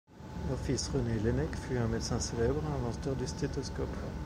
Leur fils René Laennec fut un médecin célèbre, inventeur du stéthoscope.